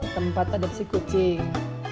tempat adopsi kucing